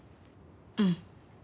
うん。